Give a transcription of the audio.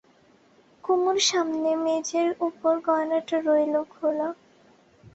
কুমুর সামনে মেজের উপর গয়নাটা রইল খোলা।